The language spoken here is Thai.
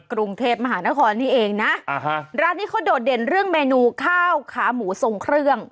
กรุงเทพมหานครนี่เองนะอ่าฮะร้านนี้เขาโดดเด่นเรื่องเมนูข้าวขาหมูทรงเครื่อง